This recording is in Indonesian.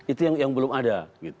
itu yang belum ada